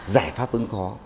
giải pháp vẫn có